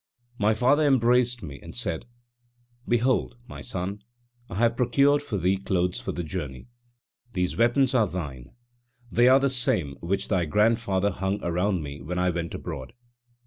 My father embraced me and said: "Behold, my son, I have procured for thee clothes for the journey. These weapons are thine; they are the same which thy grandfather hung around me when I went abroad.